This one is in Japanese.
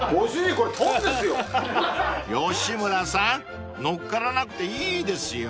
［吉村さん乗っからなくていいですよ］